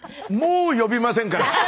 もう呼びませんから。